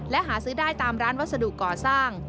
และหาซื้อได้ตามร้านวัสดุก่อสร้าง